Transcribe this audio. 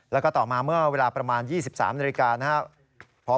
แล้วก็ต่อมาเมื่อเวลาประมาณ๒๓นาฬิกานะครับ